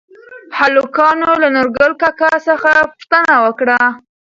هلکانو له نورګل کاکا څخه پوښتنه وکړه؟